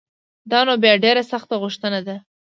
دا نو بیا ډېره سخته غوښتنه ده